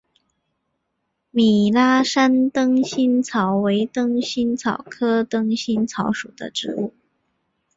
米拉山灯心草为灯心草科灯心草属的植物。